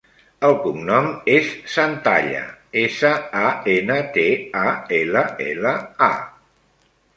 El cognom és Santalla: essa, a, ena, te, a, ela, ela, a.